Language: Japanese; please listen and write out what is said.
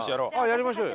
やりましょうよ。